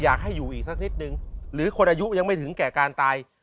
อยากให้อยู่อีกสักนิดนึงหรือคนอายุยังไม่ถึงแก่การตาย